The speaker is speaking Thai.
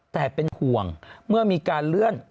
แต่เป็นห่วงเมื่อมีการเลื่อน